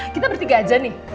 kita bertiga aja nih